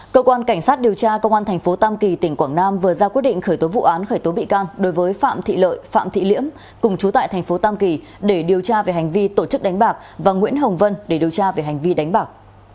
cơ quan cảnh sát điều tra công an tp tam kỳ tỉnh quảng nam vừa ra quyết định khởi tố vụ án khởi tố bị can đối với phạm thị lợi phạm thị liễm cùng chú tại thành phố tam kỳ để điều tra về hành vi tổ chức đánh bạc và nguyễn hồng vân để điều tra về hành vi đánh bạc